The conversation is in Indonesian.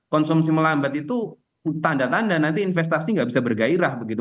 konsumsi melambat itu tanda tanda nanti investasi nggak bisa bergairah begitu